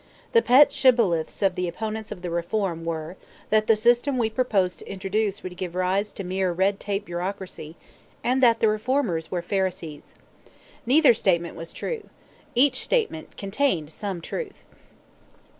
The pet shibboleths of the opponents of the reform were that the system we proposed to introduce would give rise to mere red tape bureaucracy, and that the reformers were pharisees. Neither statement was true. Each statement contained some truth.